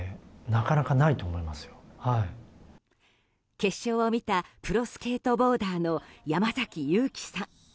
決勝を見たプロスケートボーダーの山崎勇亀さん。